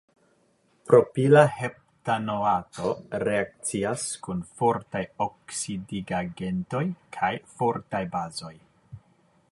Propila heptanoato reakcias kun fortaj oksidigagentoj kaj fortaj bazoj.